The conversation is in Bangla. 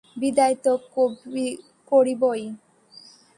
বিদায় তো করিবই।